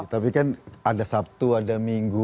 tapi kan ada sabtu ada minggu